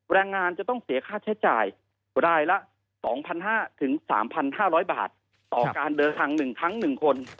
แรงงานจะต้องเสียค่าใช้จ่ายรายละ๒๕๐๐๓๕๐๐บาทต่อการเดินทาง๑ครั้ง๑คน